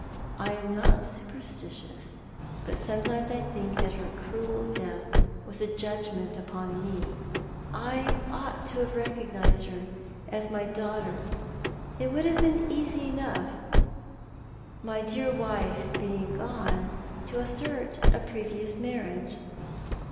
I am not super stitious — but sometimes I think that her cruel death was a judgment upon me. I ought to have acknowledged her as my daughter. It would have been easy enough, my dear wife being gone, to assert a previous marriage.